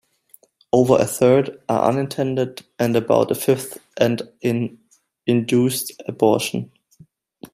Over a third are unintended and about a fifth end in induced abortion.